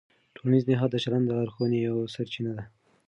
ټولنیز نهاد د چلند د لارښوونې یوه سرچینه ده.